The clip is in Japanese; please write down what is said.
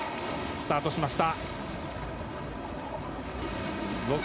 スタートしました。